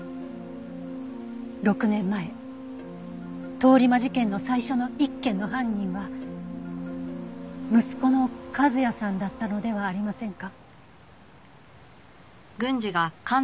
６年前通り魔事件の最初の１件の犯人は息子の和哉さんだったのではありませんか？